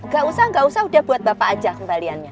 gak usah nggak usah udah buat bapak aja kembaliannya